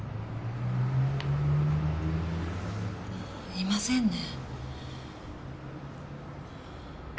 いませんね。